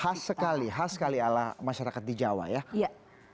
khas sekali khas sekali ala masyarakat di jawa ya